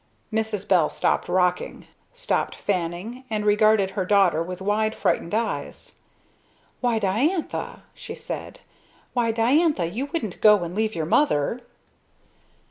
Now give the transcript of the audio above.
Mrs. Bell stopped rocking, stopped fanning, and regarded her daughter with wide frightened eyes. "Why Diantha!" she said. "Why Diantha! You wouldn't go and leave your Mother!"